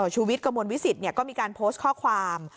ชูวิทย์กระมวลวิสิตก็มีการโพสต์ข้อความ